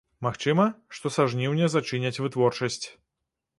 Магчыма, што са жніўня зачыняць вытворчасць.